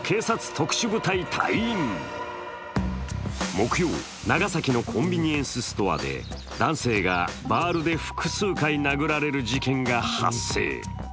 木曜、長崎のコンビニエンスストアで男性がバールで複数回殴られる事件が発生。